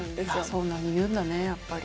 そうなんだ言うんだねやっぱり。